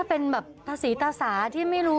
หมายสารมา